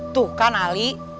tuh kan ali